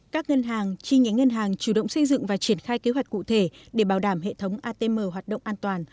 các ngân hàng chi nhánh ngân hàng chủ động xây dựng và triển khai kế hoạch cụ thể để bảo đảm hệ thống atm hoạt động an toàn